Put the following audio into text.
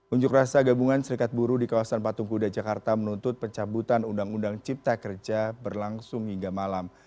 unjuk rasa gabungan serikat buru di kawasan patung kuda jakarta menuntut pencabutan undang undang cipta kerja berlangsung hingga malam